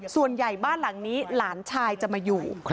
ส่วนใหญ่บ้านหลังนี้หลานชายจะมาอยู่